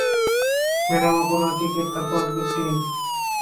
Madam, আপনার ticket আর passport দিন।